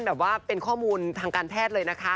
แบบว่าเป็นข้อมูลทางการแพทย์เลยนะคะ